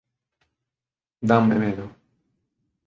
Danme medo.